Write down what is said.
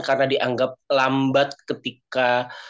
karena dianggap lambat ketika